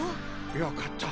よかった。